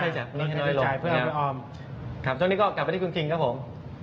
จากเหมียนรวมออกให้ลงนะครับครับจนที่นี่ก็กลับไปที่คุณคิงครับผม